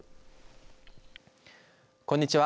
こんにちは。